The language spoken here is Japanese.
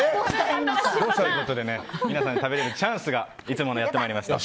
皆さん、食べれるチャンスがいつものやってまいりました。